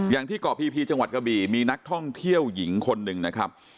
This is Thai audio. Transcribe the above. อย่างที่เกาะพีจังหวัดกระบี่มีนักท่องเที่ยวหญิงคนหนึ่งนะครับ